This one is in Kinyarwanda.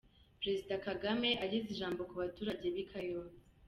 Perezida Kagame ageza ijambo ku baturage b'i Kayonza.